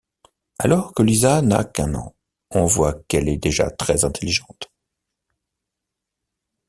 Alors que Lisa n'a qu'un an, on voit qu'elle est déjà très intelligente.